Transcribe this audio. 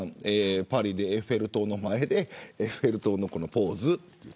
パリでエッフェル塔の前でエッフェル塔のポーズ。